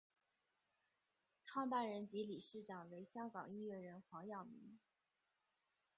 创办人及理事长为香港音乐人黄耀明。